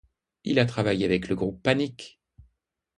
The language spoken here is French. Il a travaillé avec le groupe Panic!